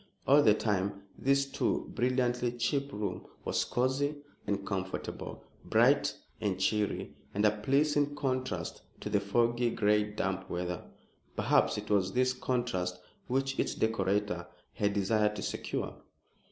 All the same, this too brilliantly cheap room was cosy and comfortable, bright and cheery, and a pleasing contrast to the foggy, gray, damp weather. Perhaps it was this contrast which its decorator had desired to secure.